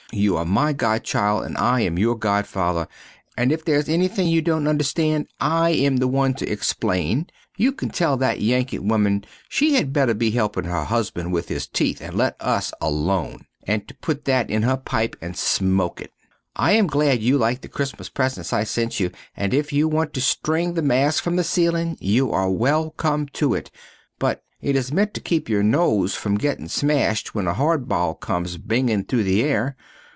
You are my godchild and I am your godfather and if there is ennything you dont understand I am the one to explane, and you tell that Yankit woman she had better be helpin her husband with his teeth and let us alone, and to put that in her pipe and smoke it. I am glad you like the Cristmas presents I sent you and if you want to string the mask from the ceilin you are well come to it, but it is ment to keep your nose from gettin smasht when a hard ball comes bingin through the air.